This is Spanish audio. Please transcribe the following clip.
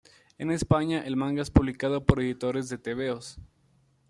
En España el manga es publicado por Editores de Tebeos.